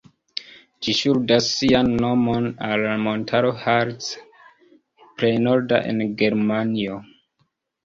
Ĝi ŝuldas sian nomon al la montaro "Harz", plej norda en Germanio.